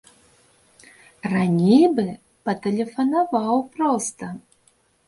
Раней бы патэлефанаваў проста.